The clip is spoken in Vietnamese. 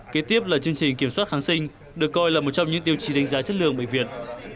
kế tiếp là chương trình kiểm soát kháng sinh được coi là một trong những tiêu chí đánh giá chất lượng bệnh viện